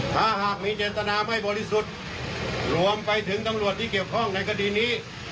ถ้าหากมีเจตนาไม่บริสุทธิ์รวมไปถึงตำรวจที่เกี่ยวข้องในคดีนี้